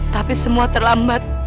tapi semua terlambat